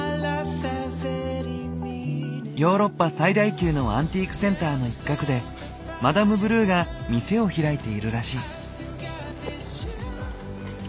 ヨーロッパ最大級のアンティークセンターの一角でマダムブルーが店を開いているらしい。